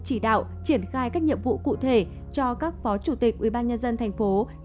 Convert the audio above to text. chỉ đạo triển khai các nhiệm vụ cụ thể cho các phó chủ tịch ubnd tp